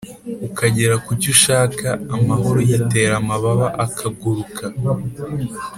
ukagera kucyushaka amahoro yitera amababa akaguruka.